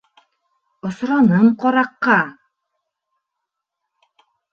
Осраным ҡараҡҡа.